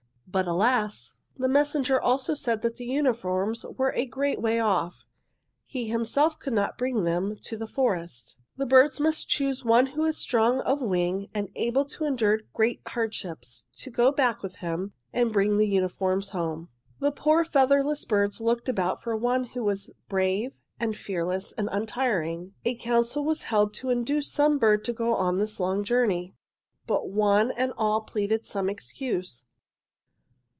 "'But alas! the messenger also said that the uniforms were a great way off. He himself could not bring them to the forest. The birds must choose one who was strong of wing and able to endure great hardships, to go back with him and bring the uniforms home. "'The poor featherless birds looked about for one who was brave and fearless and untiring. A council was held to induce some bird to go on this long journey. "'But one and all pleaded some excuse.